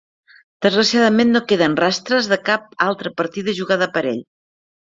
Desgraciadament no queden rastres de cap altra partida jugada per ell.